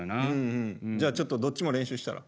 じゃあちょっとどっちも練習したら？